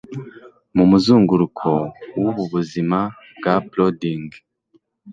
Mumuzunguruko wubu buzima bwa plodding